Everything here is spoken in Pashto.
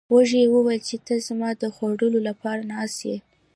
وزې وویل چې ته زما د خوړلو لپاره ناست یې.